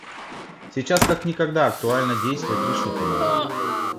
Сейчас как никогда актуально действовать решительно.